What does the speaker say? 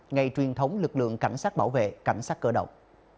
ngày truyền thống lực lượng cảnh sát bảo vệ cảnh sát cơ động